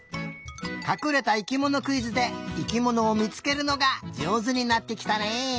かくれた生きものクイズで生きものをみつけるのがじょうずになってきたね！